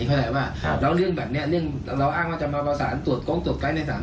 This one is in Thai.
จารุงยังบอกชื่อไม่ถูกเลยนะฮะจารุงเข้าใจไหม